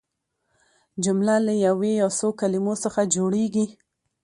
جمله له یوې یا څو کلیمو څخه جوړیږي.